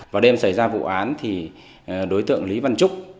vào đêm xảy ra vụ án thì đối tượng lý văn trúc